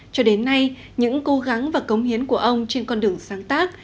cho đến nay những cố gắng và cống hiến của ông trên con đường sáng tác